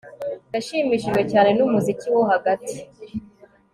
Nashimishijwe cyane numuziki wo hagati